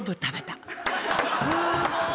すーごい。